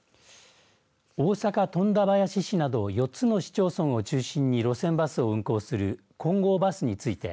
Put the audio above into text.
大阪富田林市など４つの市町村を中心に路線バスを運行する金剛バスについて